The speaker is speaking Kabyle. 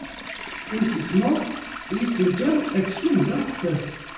Imsismeḍ yettaǧǧa aksum d arexsas.